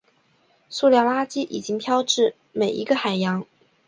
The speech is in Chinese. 塑料垃圾已经飘至每一个海洋。